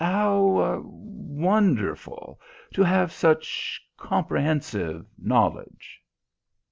How wonderful to have such comprehensive knowledge!"